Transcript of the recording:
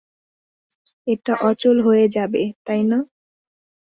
এটা অচল হয়ে যাবে, তাই না?